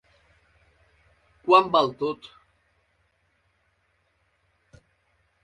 Quant val tot?